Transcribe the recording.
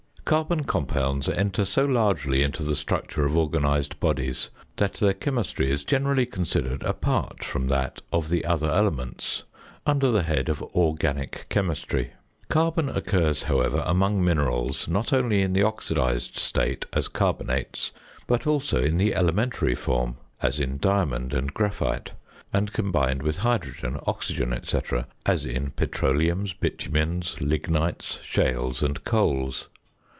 Carbon compounds enter so largely into the structure of organised bodies that their chemistry is generally considered apart from that of the other elements under the head of Organic Chemistry. Carbon occurs, however, among minerals not only in the oxidised state (as carbonates), but also in the elementary form (as in diamond and graphite), and combined with hydrogen, oxygen, &c. (as in petroleums, bitumens, lignites, shales, and coals).